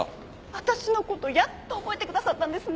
私の事やっと覚えてくださったんですね！